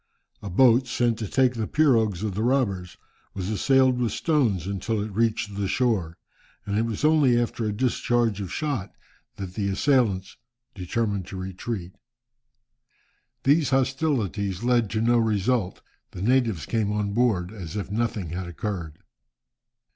A boat, sent to take the pirogues of the robbers, was assailed with stones until it reached the shore, and it was only after a discharge of shot that the assailants determined to retreat. These hostilities led to no result, the natives came on board as if nothing had occurred.